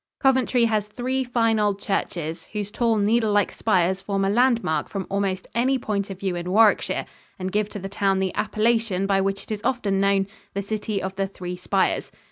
Coventry has three fine old churches, whose tall needlelike spires form a landmark from almost any point of view in Warwickshire, and give to the town the appellation by which it is often known "The City of the Three Spires."